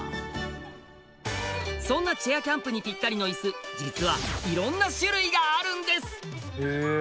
そんなチェアキャンプにピッタリのイス実は色んな種類があるんです！